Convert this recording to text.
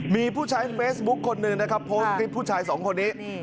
มีผู้ใช้เฟซบุ๊คคนหนึ่งนะครับโพสต์คลิปผู้ชายสองคนนี้